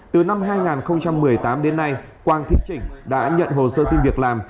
từ năm hai nghìn một mươi tám đến nay quang thị chỉnh đã nhận hồ sơ xin việc làm